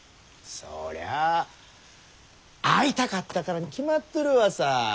そりゃあ会いたかったからに決まっとるわさ！